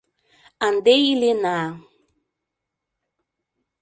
— Ынде илена...